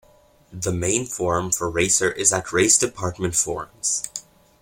The main forum for Racer is at RaceDepartment Forums.